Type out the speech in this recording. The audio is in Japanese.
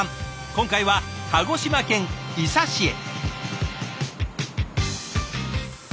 今回は鹿児島県伊佐市へ。